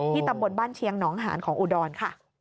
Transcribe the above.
ตำบลบ้านเชียงหนองหานของอุดรค่ะ